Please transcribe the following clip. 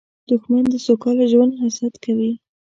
دښمن د سوکاله ژوند حسد کوي